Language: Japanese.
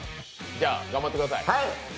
じゃあ、頑張ってください。